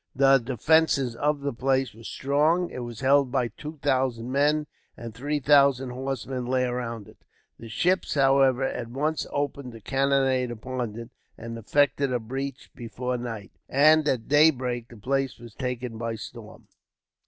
The defences of the place were strong. It was held by two thousand men, and three thousand horsemen lay around it. The ships, however, at once opened a cannonade upon it, and effected a breach before night, and at daybreak the place was taken by storm.